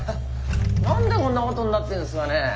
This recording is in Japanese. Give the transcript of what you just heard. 何でこんなことになってんすかね。